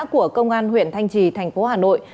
của công an huyện thanh trì thành phố hà nội